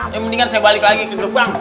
ya mendingan saya balik lagi ke gerbang